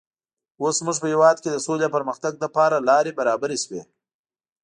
اوس زموږ په هېواد کې د سولې او پرمختګ لپاره لارې برابرې شوې.